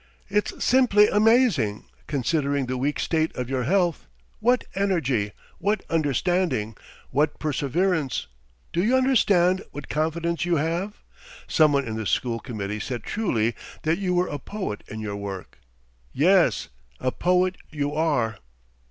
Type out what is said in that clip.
... It's simply amazing, considering the weak state of your health, what energy, what understanding ... what perseverance, do you understand, what confidence you have! Some one in the school committee said truly that you were a poet in your work. ... Yes, a poet you are!"